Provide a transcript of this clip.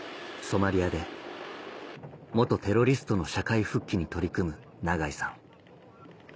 ソマリアで元テロリストの社会復帰に取り組む永井さん